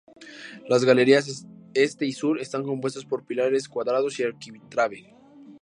Las galerías este y sur están compuestas por pilares cuadrados y arquitrabe.